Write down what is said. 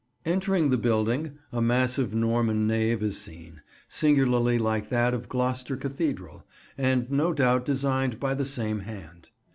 Entering the building, a massive Norman nave is seen, singularly like that of Gloucester cathedral, and no doubt designed by the same hand.